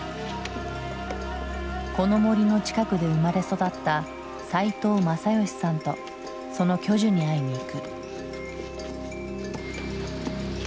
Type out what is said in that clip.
この森の近くで生まれ育った齋藤政美さんとその巨樹に会いに行く。